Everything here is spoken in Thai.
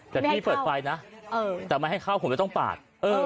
พี่เปิดไฟนะแต่มาให้เข้าคุณก็ต้องตาด